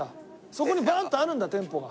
そこにバーンとあるんだ店舗が。